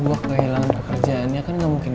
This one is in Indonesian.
udah ya ngomong sih